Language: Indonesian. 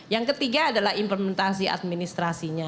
yang ketiga adalah implementasi administrasinya